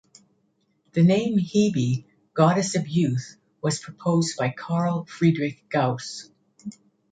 The name "Hebe", goddess of youth, was proposed by Carl Friedrich Gauss.